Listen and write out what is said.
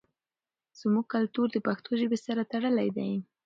زموږ کلتور د پښتو ژبې سره تړلی دی.